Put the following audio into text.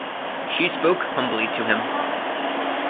She spoke humbly to him.